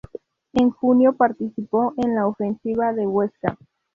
En junio participó en la Ofensiva de Huesca.